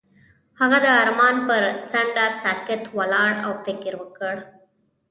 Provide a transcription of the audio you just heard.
هغه د آرمان پر څنډه ساکت ولاړ او فکر وکړ.